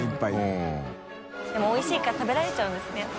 岡田）でもおいしいから食べられちゃうんですね。